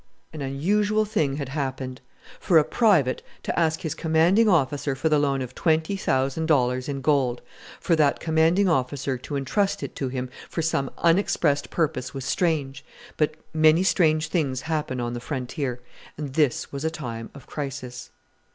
An unusual thing had happened. For a private to ask his Commanding Officer for the loan of twenty thousand dollars in gold, for that Commanding Officer to entrust it to him for some unexpressed purpose was strange but many strange things happen on the frontier, and this was a time of crisis.